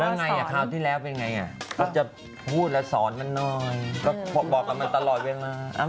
แล้วไงคราวที่แล้วเป็นไงก็จะพูดแล้วสอนมันหน่อยก็บอกกับมันตลอดเวลา